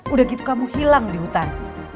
udah gitu kamu hilang di hutan